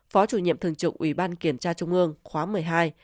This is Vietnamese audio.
phó chủ nhiệm thường trực ủy ban kiểm tra trung ương khóa một mươi hai